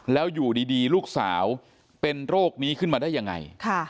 แล้วอยู่ดีลูกสาวเป็นโรคนี้ขึ้นมาได้ยังไง